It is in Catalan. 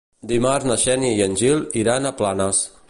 Dimarts na Xènia i en Gil iran a Planes.